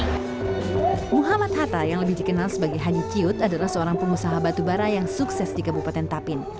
muhammad hatta yang lebih dikenal sebagai haji ciut adalah seorang pengusaha batubara yang sukses di kabupaten tapin